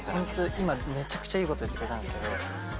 今めちゃくちゃいいこと言ってくれたんですけど。